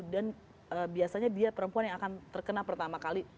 dan biasanya dia perempuan yang akan terkena pertama kali